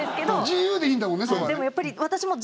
自由でいいんだもんねそこはね。